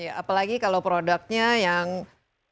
ya apalagi kalau produknya yang rapid test